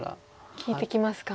利いてきますか？